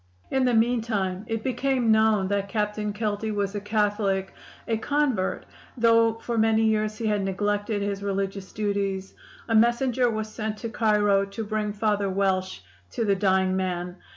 "In the meantime it became known that Captain Kelty was a Catholic a convert though for many years he had neglected his religious duties. A messenger was sent to Cairo to bring Father Welsh to the dying man.